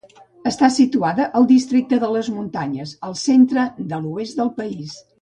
Està situada al districte de les Muntanyes, al centre de l'oest del país.